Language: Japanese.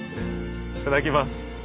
いただきます。